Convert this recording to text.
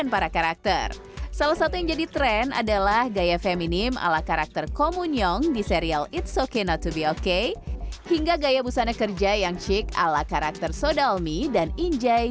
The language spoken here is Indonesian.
bagaimana situasi ini